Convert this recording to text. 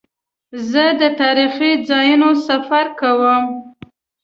زه د تاریخي ځایونو سفر کوم.